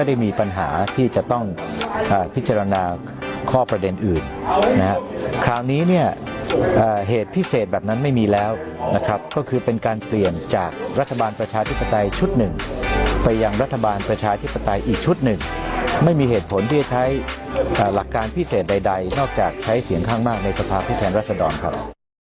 ไม่มีเหตุผลที่จะใช้หลักการพิเศษใดนอกจากใช้เสียงข้างมากในสภาพที่แทนรัฐศาสตร์ดอนครับ